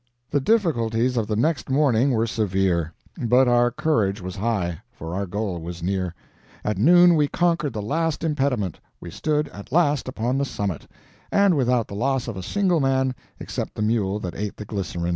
The difficulties of the next morning were severe, but our courage was high, for our goal was near. At noon we conquered the last impediment we stood at last upon the summit, and without the loss of a single man except the mule that ate the glycerin.